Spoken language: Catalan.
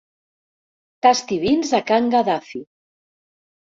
Tasti vins a can Gaddafi.